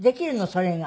それが。